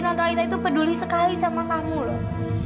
nontalita itu peduli sekali sama kamu loh